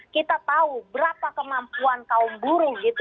kita tahu berapa kemampuan kaum buruh